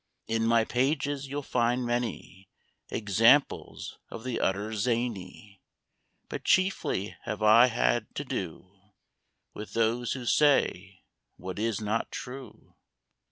In my pages you'll find many Examples of the utter zany; But chiefly have I had to do With those who say what is not true.